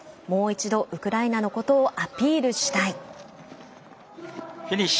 もう一度ウクライナのことをアピールしたい。